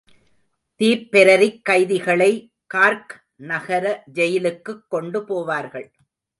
திப்பெரரிக் கைதிகளை கார்க் நகர ஜெயிலுக்குக் கொண்டு போவார்கள்.